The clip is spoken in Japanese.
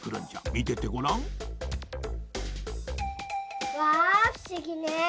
みててごらん。わふしぎね。